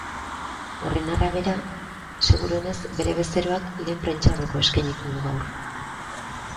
Horren arabera, seguruenez bere bezeroak lehen prentsaurrekoa eskainiko du gaur.